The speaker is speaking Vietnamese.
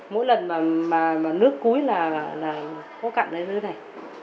mỗi lần mà nước cuối là có cặn ở dưới này